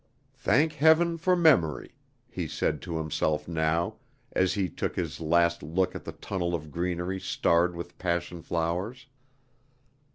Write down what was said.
"Thank Heaven for memory!" he said to himself now, as he took his last look at the tunnel of greenery starred with passion flowers.